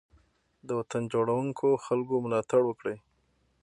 د وطن جوړونکو خلګو ملاتړ وکړئ.